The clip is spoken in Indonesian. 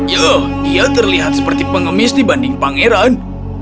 ya dia terlihat seperti pengemis dibanding pangeran